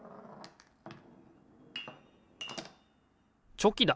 チョキだ！